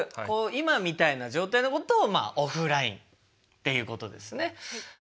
今みたいな状態のことをオフラインっていうことですね。